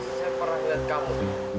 saya pernah lihat kamu